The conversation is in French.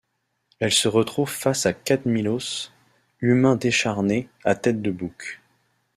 Elle se retrouve face à Cadmilos, humain décharné à tête de bouc.